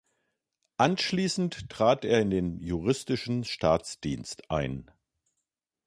Anschließend trat er in den juristischen Staatsdienst ein.